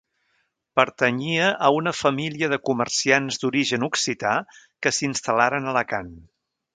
Pertanyia a una família de comerciants d'origen occità que s'instal·laren a Alacant.